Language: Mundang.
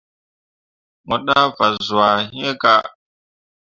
Mo ɗah fazwãhe iŋ kah.